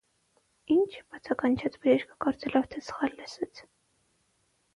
- Ի՞նչ,- բացականչեց բժիշկը, կարծելով թե սխալ լսեց: